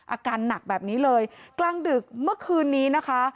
อาการหนักแบบนี้เลยกลางดึกเมื่อคืนนี้นะคะ